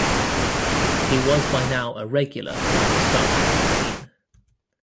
He was by now a regular on the starting fifteen.